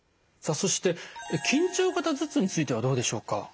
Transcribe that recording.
さあそして緊張型頭痛についてはどうでしょうか？